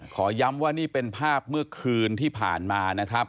ขอย้ำว่านี่เป็นภาพเมื่อคืนที่ผ่านมานะครับ